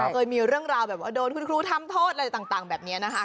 เคยมีเรื่องราวแบบว่าโดนคุณครูทำโทษอะไรต่างแบบนี้นะคะ